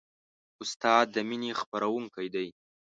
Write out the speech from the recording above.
استاد د مینې خپروونکی دی.